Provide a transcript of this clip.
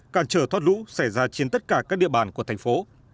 cản trở thoát lũ xảy ra trên tất cả các địa bàn của thành phố